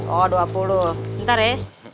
oh dua puluh bentar ya